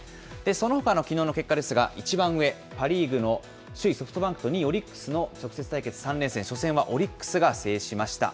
そのほかのきのうの結果ですが、一番上、パ・リーグの首位ソフトバンクと２位オリックスの直接対決、３連戦初戦はオリックスが制しました。